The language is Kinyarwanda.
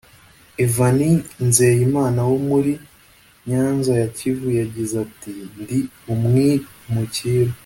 Evanie Nzeyimana wo muri Nyanza ya Kivu yagize ati” Ndi umwimukira